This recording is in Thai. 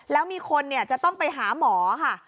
แล้วมีคนจะต้องไปหาหมอค่ะ